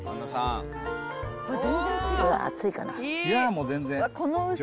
いやもう全然。